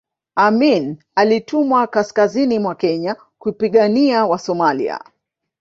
amin alitumwa kaskazini mwa kenya kupigania wasomalia